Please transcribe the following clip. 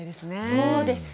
そうです。